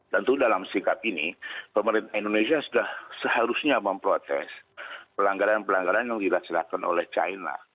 tentu dalam sikap ini pemerintah indonesia sudah seharusnya memprotes pelanggaran pelanggaran yang dilaksanakan oleh china